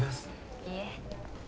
いいえ。